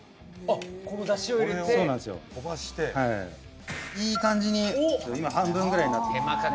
このダシを入れてこれを飛ばしていい感じに今半分ぐらいになってきてますね